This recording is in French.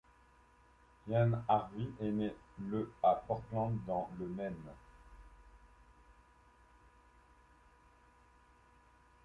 Ian Harvie est né le à Portland, dans le Maine.